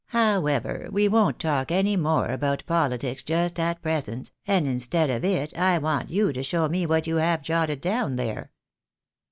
However, we won't talk any more about politics just at present, and, instead of it, I want you to show me what you have jotted down there."